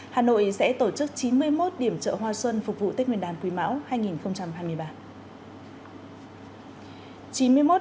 hà nội sẽ tổ chức chín mươi một điểm chợ hoa xuân phục vụ tết nguyên đán quý mão hai nghìn hai mươi ba